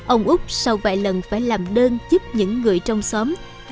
ông úc sau vài lần phải làm đơn chúc những người trong xóm